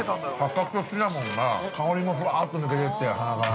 ◆八角とシナモンが香りもふわーっと抜けていって、鼻から。